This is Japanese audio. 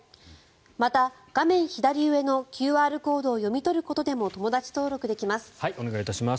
また、画面左上のＱＲコードを読み取ることでもお願いいたします。